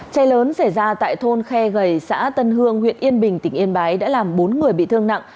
cháy lớn xảy ra tại thôn khe gầy xã tân hương huyện yên bình tỉnh yên bái đã làm bốn người bị thương nặng